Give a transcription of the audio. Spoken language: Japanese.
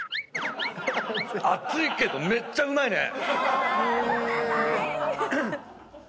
熱いけどめっちゃうまいね！